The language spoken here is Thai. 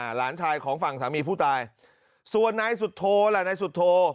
หลานชายของฝั่งสามีผู้ตายส่วนนายสุโธล่ะนายสุโธ